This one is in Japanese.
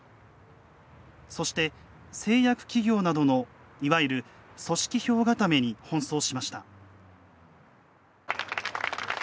そして製薬企業などのいわゆる組織票固めに奔走しました。